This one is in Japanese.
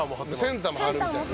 センターも張るみたいな。